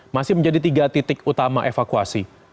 masih menjadi tiga titik utama evakuasi